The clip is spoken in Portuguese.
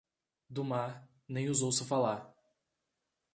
Do mar, nem os ouça falar.